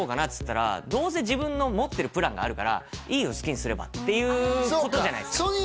っつったらどうせ自分の持ってるプランがあるから「いいよ好きにすれば」っていうことじゃないですか